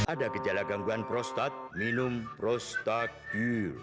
ada gejala gangguan prostat minum prostagir